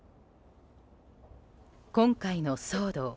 今回の騒動。